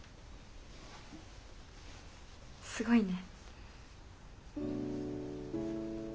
すごいね。